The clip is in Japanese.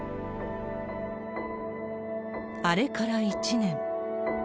あれから１年。